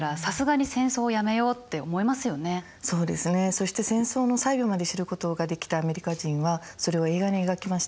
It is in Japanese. そして戦争の細部まで知ることができたアメリカ人はそれを映画に描きました。